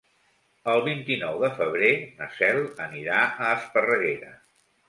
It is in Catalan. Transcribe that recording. El vint-i-nou de febrer na Cel anirà a Esparreguera.